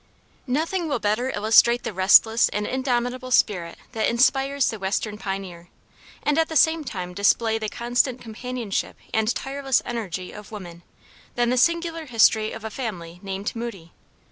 Nothing will better illustrate the restless and indomitable spirit that inspires the western pioneer, and at the same time display the constant companionship and tireless energy of woman, than the singular history of a family named Moody.